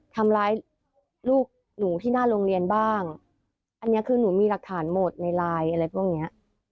ทำร้ายลูกหนูที่หน้าโรงเรียนบ้างอันนี้คือหนูมีหลักฐานหมดในไลน์อะไรพวกเนี้ย